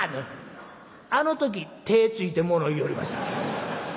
あの時手ぇついてもの言いよりました。